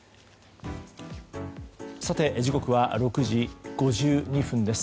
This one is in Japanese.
時刻は６時５２分です。